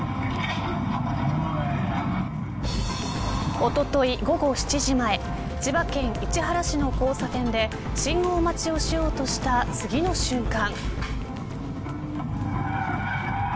おととい午後７時前千葉県市原市の交差点で信号待ちをしようとした次の瞬間。